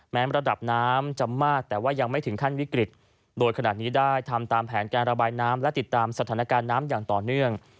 ระดับน้ำจะมากแต่ว่ายังไม่ถึงขั้นวิกฤตโดยขนาดนี้ได้ทำตามแผนการระบายน้ำและติดตามสถานการณ์น้ำอย่างต่อเนื่อง